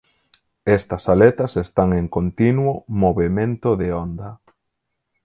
Estas aletas están en continuo movemento de onda.